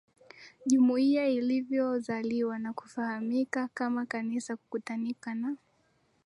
jumuia ilivyozaliwa na kufahamika kama Kanisa Kukutanika na